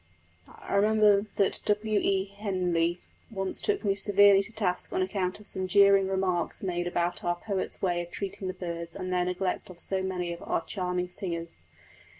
I remember that W. E. Henley once took me severely to task on account of some jeering remarks made about our poet's way of treating the birds and their neglect of so many of our charming singers.